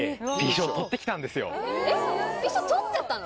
証取っちゃったの？